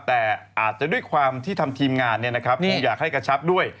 แต่อาจจะด้วยความที่ทำทีมงานคงอยากให้กระชับด้วย